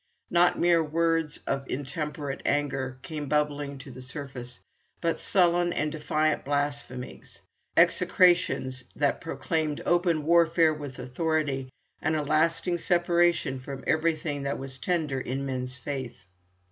Not mere words of intemperate anger came bubbling to the surface, but sullen and defiant blasphemies, execrations that proclaimed open warfare with authority and a lasting separation from everything that was tender in men's faith.